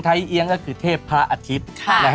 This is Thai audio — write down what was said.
เอี๊ยงก็คือเทพพระอาทิตย์